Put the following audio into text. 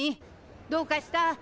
どうかした？